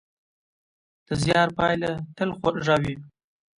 د زیار پایله تل خوږه وي.